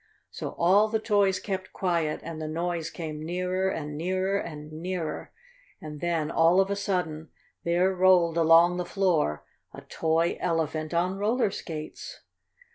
So all the toys kept quiet, and the noise came nearer and nearer and nearer, and then, all of a sudden, there rolled along the floor a toy Elephant on roller skates.